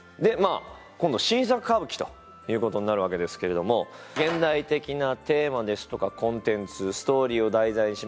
あ今度新作歌舞伎ということになるわけですけれども現代的なテーマですとかコンテンツストーリーを題材にしました